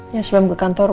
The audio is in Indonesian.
ya sebelum ke kantor